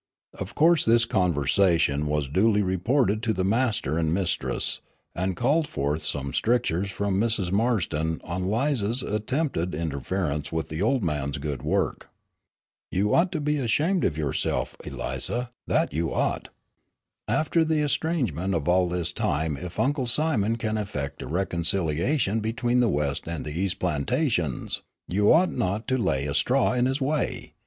Of course this conversation was duly reported to the master and mistress, and called forth some strictures from Mrs. Marston on Lize's attempted interference with the old man's good work. "You ought to be ashamed of yourself, Eliza, that you ought. After the estrangement of all this time if Uncle Simon can effect a reconciliation between the west and the east plantations, you ought not to lay a straw in his way.